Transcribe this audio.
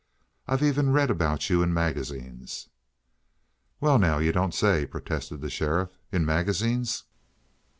I've even read about you in magazines!" "Well, now you don't say," protested the sheriff. "In magazines?"